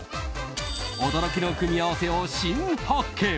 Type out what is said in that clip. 驚きの組み合わせを新発見！